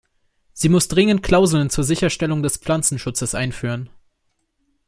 Sie muss dringend Klauseln zur Sicherstellung des Pflanzenschutzes einführen.